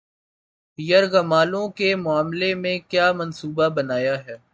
یرغمالوں کے معاملے میں کیا منصوبہ بنایا ہے